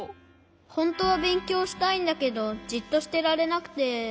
ほんとはべんきょうしたいんだけどじっとしてられなくて。